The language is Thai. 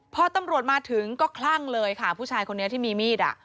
พอตำรวจมาถึงก็คลั่งเลยค่ะผู้ชายคนนี้ที่มีมีดอ่ะ